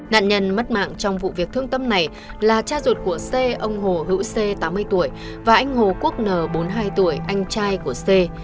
nạn nhân mất mạng trong vụ việc thương tâm này là cha ruột của c ông hồ hữu c tám mươi tuổi và anh hồ quốc n bốn mươi hai tuổi anh trai của c